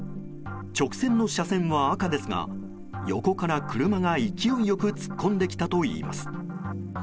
直進の車線は赤ですが横から車が勢いよく突っ込んできたといいます。